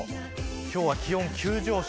今日は気温急上昇。